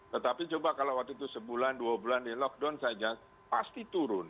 tetapi coba kalau waktu itu sebulan dua bulan di lockdown saja pasti turun